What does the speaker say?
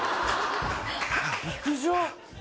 陸上？